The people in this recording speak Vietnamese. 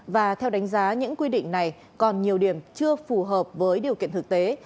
và theo đánh giá những quy định này còn nhiều điểm chưa phù hợp với điều kiện thực tế